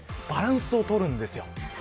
バランスをとるんです。